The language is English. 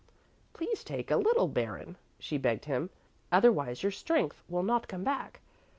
"Please take a little, Baron," she begged him, "otherwise your strength will not come back.